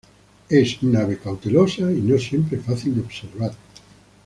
Es un ave cautelosa y no siempre fácil de observar.